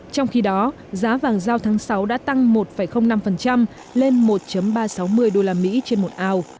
trong khi đó giá vàng giao tháng sáu đã tăng một năm lên một ba trăm sáu mươi đô la mỹ trên một ao